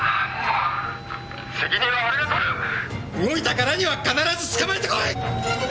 動いたからには必ず捕まえてこい！！